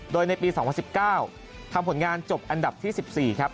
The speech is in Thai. โดยในปี๒๐๑๙ทำผลงานจบอันดับที่๑๔ครับ